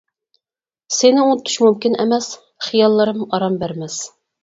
سېنى ئۇنتۇش مۇمكىن ئەمەس، خىياللىرىم ئارام بەرمەس.